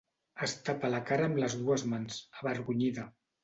Es tapa la cara amb les dues mans, avergonyida.